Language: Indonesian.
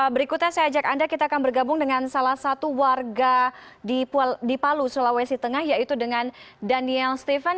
berikutnya saya ajak anda kita akan bergabung dengan salah satu warga di palu sulawesi tengah yaitu dengan daniel stephen